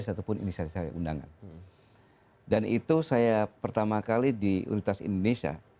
satupun ini syarif saya undangan dan itu saya pertama kali di universitas indonesia